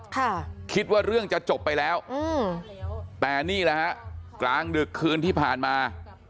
ค่ะคิดว่าเรื่องจะจบไปแล้วอืมแต่นี่แหละฮะกลางดึกคืนที่ผ่านมา